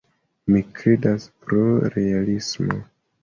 Mi kredas pro realismo.